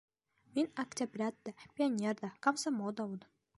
— Мин октябрят та, пионер ҙа, комсомол да булдым.